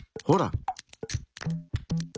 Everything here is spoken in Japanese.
ほら。